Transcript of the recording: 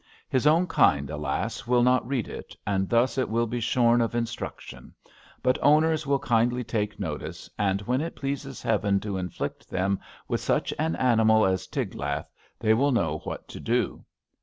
His own kind, alas ! will not read it, and thus it will be shorn of in struction; but owners will kindly take notice, and when it pleases Heaven to inflict them with such an animal as Tiglath they will know what to do.